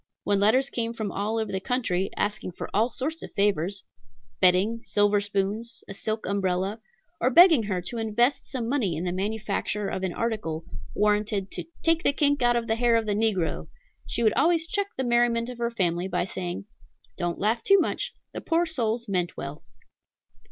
When letters came from all over the country, asking for all sorts of favors, bedding, silver spoons, a silk umbrella, or begging her to invest some money in the manufacture of an article, warranted "to take the kink out of the hair of the negro," she would always check the merriment of her family by saying, "Don't laugh too much; the poor souls meant well."